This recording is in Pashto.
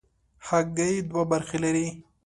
هګۍ دوه برخې لري.